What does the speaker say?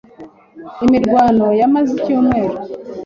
Imirwano yamaze icyumweru.